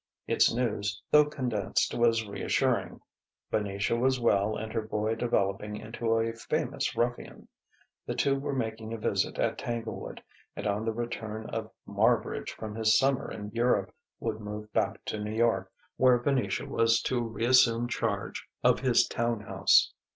Its news, though condensed, was reassuring: Venetia was well and her boy developing into a famous ruffian; the two were making a visit at Tanglewood, and on the return of Marbridge from his summer in Europe would move back to New York, where Venetia was to reassume charge of his town house.